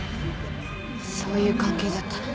そういう関係だったの。